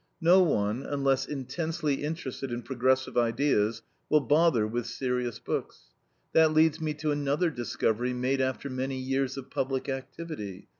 No one, unless intensely interested in progressive ideas, will bother with serious books. That leads me to another discovery made after many years of public activity.